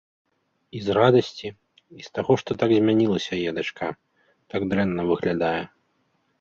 І з радасці, і з таго, што так змянілася яе дачка, так дрэнна выглядае.